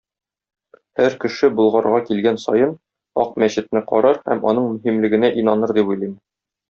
Һәр кеше Болгарга килгән саен, Ак мәчетне карар һәм аның мөһимлегенә инаныр дип уйлыйм.